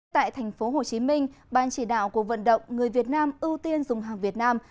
tại thành phố hồ chí minh ban chỉ đạo cuộc vận động người việt nam ưu tiên dùng hàng việt nam